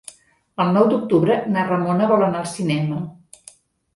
El nou d'octubre na Ramona vol anar al cinema.